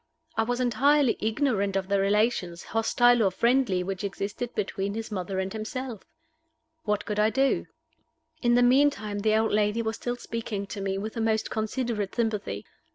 I was entirely ignorant of the relations, hostile or friendly, which existed between his mother and himself. What could I do? In the meantime the old lady was still speaking to me with the most considerate sympathy.